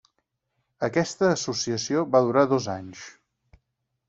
Aquesta associació va durar dos anys.